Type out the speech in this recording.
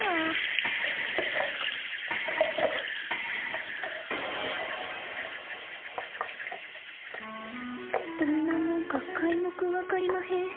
心の声どんなもんかかいもく分かりまへん。